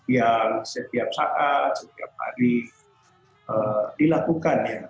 yang setiap saat setiap hari dilakukan ya